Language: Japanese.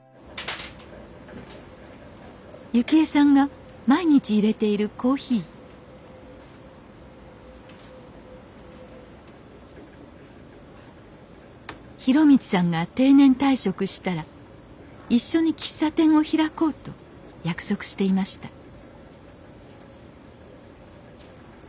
幸江さんが毎日入れているコーヒー博道さんが定年退職したら一緒に喫茶店を開こうと約束していました